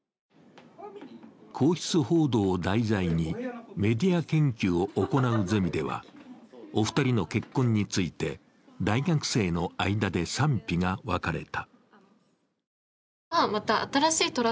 皇室報道を題材にメディア研究を行うゼミではお二人の結婚について大学生の間で賛否が分かれた。